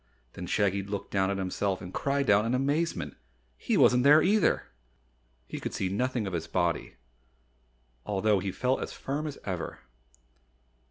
Then Shaggy looked down at himself and cried out in amazement he wasn't there either! He could see nothing of his body, although he felt as firm as ever.